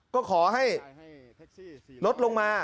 ก็ขอให้ลดลงมา